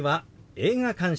「映画鑑賞」。